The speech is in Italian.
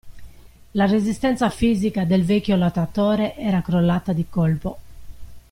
La resistenza fisica del vecchio lottatore era crollata di colpo.